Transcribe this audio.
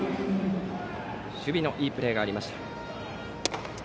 守備のいいプレーがありました。